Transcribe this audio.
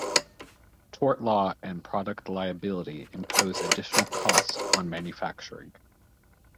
Tort law and product liability impose additional costs on manufacturing.